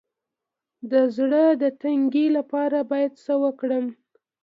د زړه د تنګي لپاره باید څه وکړم؟